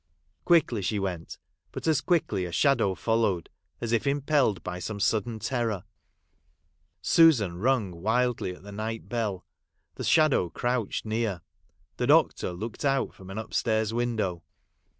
Quickly she went ; but as quickly a shadow followed, as if impelled by some sudden terror. Susan, rung wildly at the night bell, — the shadow crouched near. The doctor looked out from an upstairs window.